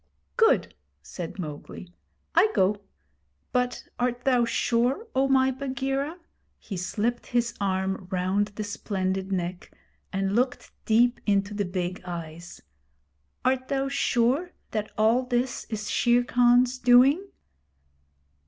'Good!' said Mowgli. 'I go. But art thou sure, O my Bagheera' he slipped his arm round the splendid neck, and looked deep into the big eyes ' art thou sure that all this is Shere Khan's doing?'